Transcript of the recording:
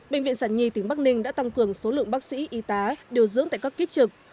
bệnh viện sản nhi tỉnh bắc ninh đã tăng cường số lượng bác sĩ y tá điều dưỡng tại các kiếp trực